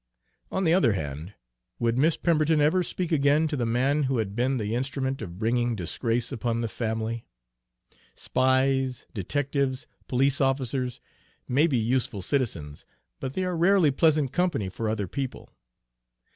On the other hand, would Miss Pemberton ever speak again to the man who had been the instrument of bringing disgrace upon the family? Spies, detectives, police officers, may be useful citizens, but they are rarely pleasant company for other people.